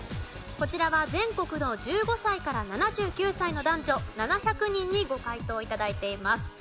こちらは全国の１５歳から７９歳の男女７００人にご回答頂いています。